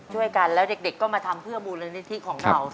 ช่วยกันแล้วเด็กก็มาทำเพื่อมูลนิธิของเรา